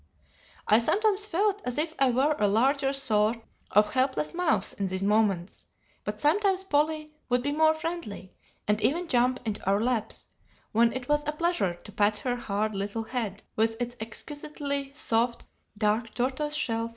I sometimes felt as if I were a larger sort of helpless mouse in these moments, but sometimes Polly would be more friendly, and even jump into our laps, when it was a pleasure to pat her hard little head with its exquisitely soft, dark tortoise shell fur.